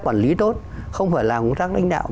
quản lý tốt không phải làm công tác lãnh đạo